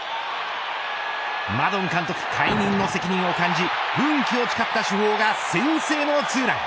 マドン監督解任の責任を感じ奮起を誓った主砲が先制のツーラン。